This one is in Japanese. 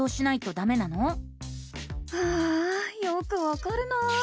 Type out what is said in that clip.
ああよくわかるな。